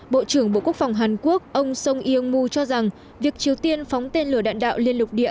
bộ trưởng bộ quốc phòng hàn quốc ông song yong mu cho rằng việc triều tiên phóng tên lửa đạn đạo liên lục địa